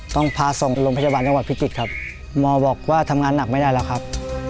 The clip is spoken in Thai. ต้องพาส่งโรงพยาบาลจังหวัดพิจิตรครับหมอบอกว่าทำงานหนักไม่ได้แล้วครับ